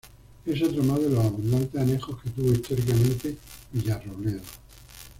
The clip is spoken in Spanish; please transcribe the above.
Es otro más de los abundantes anejos que tuvo históricamente Villarrobledo.